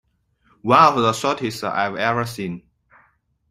One of the shortest I've ever seen.